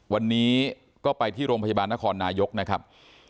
วันนี้ก็ไปที่โรงพยาบาลนครนายกนะครับ